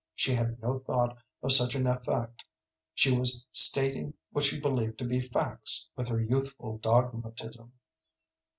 She had no thought of such an effect. She was stating what she believed to be facts with her youthful dogmatism.